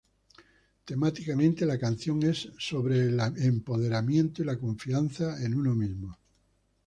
Temáticamente, la canción es acerca del empoderamiento y la confianza en uno mismo.